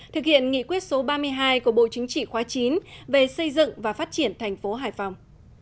thực hiện nghị quyết số ba mươi hai của bộ chính trị khóa chín về xây dựng và phát triển thành phố hải phòng